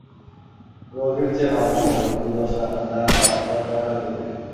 রোগের চেয়ে ভাবনা বড়! দু-দশ টাকা যা দরকার হয় দেবে।